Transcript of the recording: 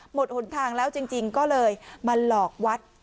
หมดหนทางแล้วจริงจริงก็เลยมาหลอกวัด